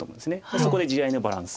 そこで地合いのバランス。